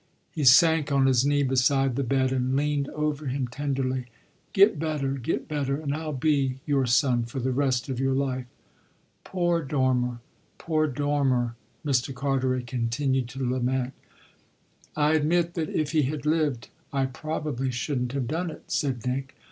He sank on his knee beside the bed and leaned over him tenderly. "Get better, get better, and I'll be your son for the rest of your life." "Poor Dormer poor Dormer!" Mr. Carteret continued to lament. "I admit that if he had lived I probably shouldn't have done it," said Nick.